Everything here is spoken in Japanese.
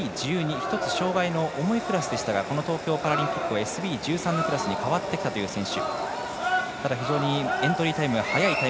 １つ障がいの重いクラスでしたがこの東京パラリンピックはＳＢ１３のクラスに変わって出たという選手。